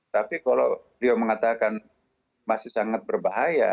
tapi kalau dia mengatakan masih sangat berbahaya